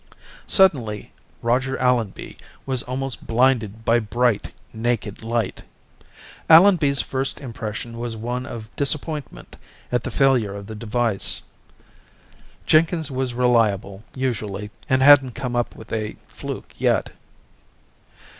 Suddenly, Roger Allenby was almost blinded by bright, naked light. Allenby's first impression was one of disappointment at the failure of the device. Jenkins was reliable, usually, and hadn't come up with a fluke yet.